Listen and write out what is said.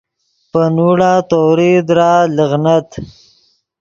پے نوڑا تَوْریئی درآت لیغنت